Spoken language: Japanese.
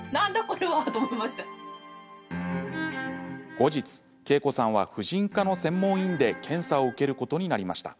後日、けいこさんは婦人科の専門医院で検査を受けることになりました。